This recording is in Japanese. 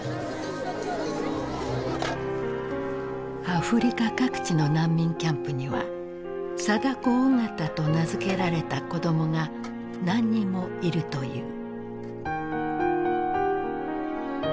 アフリカ各地の難民キャンプにはサダコオガタと名付けられた子どもが何人もいるという。